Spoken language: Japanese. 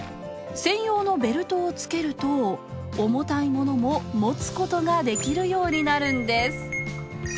専用のベルトをつけると、重たいものも持つことができるようになるんです。